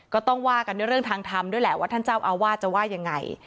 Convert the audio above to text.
ก็ต้องว่ากันด้วยเรื่องทางธรรมด้วยแหละว่าท่านเจ้าอาวาสจะว่ายังไง